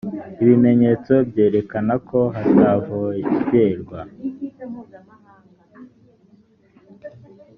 ibimenyetso byerekana ko hatavogerwa